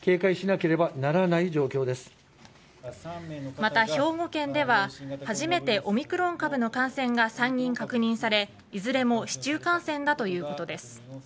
また、兵庫県では初めてオミクロン株の感染が３人確認されいずれも市中感染だということです。